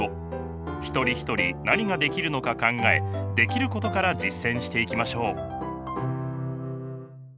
一人ひとり何ができるのか考えできることから実践していきましょう。